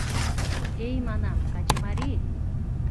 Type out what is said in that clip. — Эй, — манам, — качымарий!